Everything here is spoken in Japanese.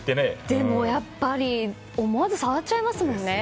でも、やっぱり思わず触っちゃいますもんね。